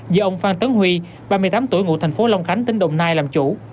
do ông phan tấn huy ba mươi tám tuổi ngụ thành phố long khánh tỉnh đồng nai làm chủ